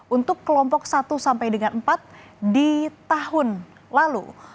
untuk kelompok satu sampai dengan empat di tahun lalu